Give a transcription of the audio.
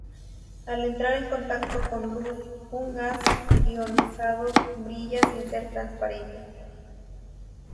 Al entrar en contacto con luz, un gas ionizado brilla sin ser transparente.